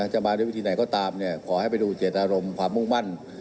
จะมาด้วยวิธีไหนก็ตามขอให้ไปดูเจตนารมณ์ความมุ่งมั่น